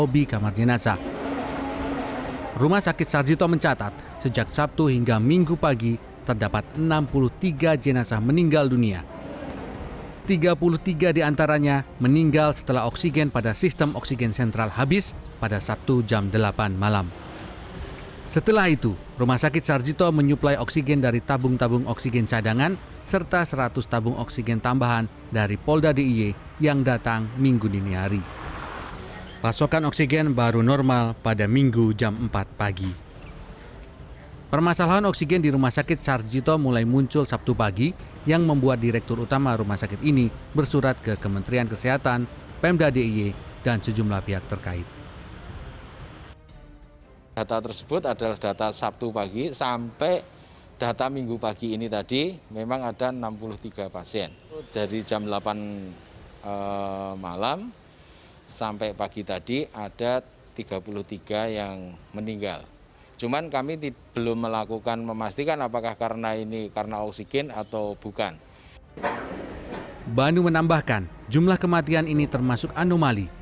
banu menambahkan jumlah kematian ini termasuk anomali